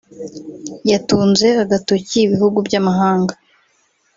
yatunze agatoki ibihugu by’amahanga